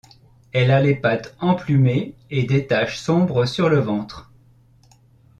Elle a les pattes emplumées et des taches sombres sur le ventre.